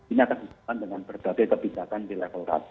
ini akan bergabung dengan berbagai kebijakan di level ras